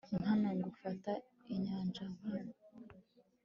nkana gufata inyanja nkana oer